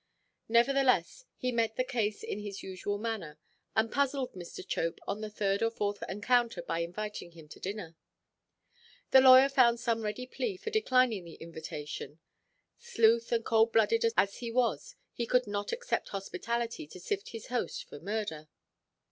Nevertheless, he met the case in his usual manner, and puzzled Mr. Chope on the third or fourth encounter by inviting him to dinner. The lawyer found some ready plea for declining this invitation; sleuth and cold–blooded as he was, he could not accept hospitality to sift his host for murder.